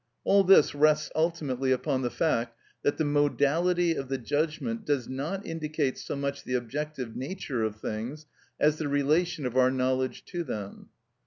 All this rests ultimately upon the fact that the modality of the judgment does not indicate so much the objective nature of things as the relation of our knowledge to them.